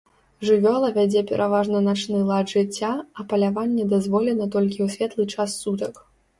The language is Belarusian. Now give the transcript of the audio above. Жывёла вядзе пераважна начны лад жыцця, а паляванне дазволена толькі ў светлы час сутак.